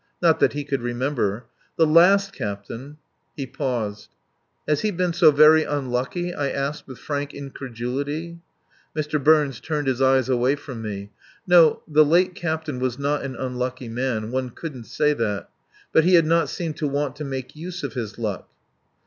Not that he could remember. The last captain. ... He paused. "Has he been so very unlucky?" I asked with frank incredulity. Mr. Burns turned his eyes away from me. No, the late captain was not an unlucky man. One couldn't say that. But he had not seemed to want to make use of his luck.